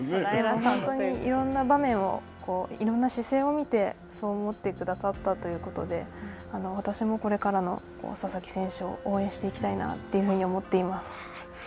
本当にいろんな場面をいろんな視線を見てそう思ってくださったということで、私もこれからの佐々木選手を応援していきたいなというふうに思っています。